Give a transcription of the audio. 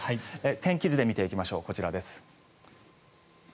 天気図で見ていきましょうこちらです。